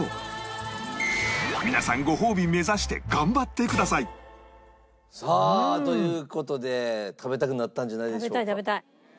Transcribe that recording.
皆さんごほうび目指して頑張ってくださいさあという事で食べたくなったんじゃないでしょうか。